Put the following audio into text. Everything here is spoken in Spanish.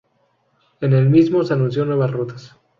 En el mismo se anunció nuevas rutas.